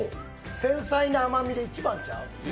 繊細な甘みで一番ちゃう？